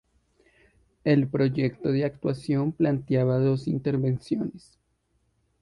El proyecto de actuación planteaba dos intervenciones.